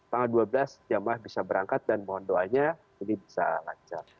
tanggal dua belas jemaah bisa berangkat dan mohon doanya ini bisa lancar